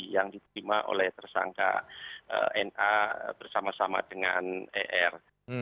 yang diterima oleh tersangka na bersama sama dengan er